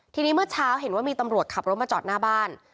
ทีนี้เมื่อเช้าเห็นว่ามีตำรวจขับรถมาจอดหน้าบ้าน